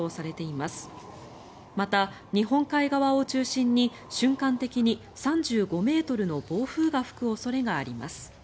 また、日本海側を中心に瞬間的に３５ｍの暴風が吹く恐れがあります。